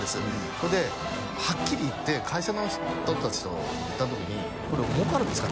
修譴はっきり言って会社の人たちと言った時に海もうかるんですか？